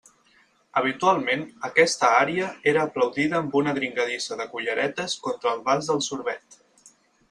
Habitualment, aquesta ària era aplaudida amb una dringadissa de culleretes contra el vas de sorbet.